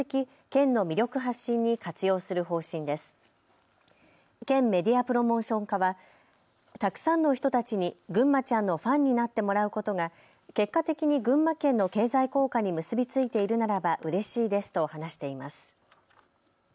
県メディアプロモーション課はたくさんの人たちにぐんまちゃんのファンになってもらうことが結果的に群馬県の経済効果に結びついているならばうれしいですと話しています。